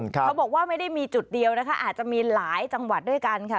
เขาบอกว่าไม่ได้มีจุดเดียวนะคะอาจจะมีหลายจังหวัดด้วยกันค่ะ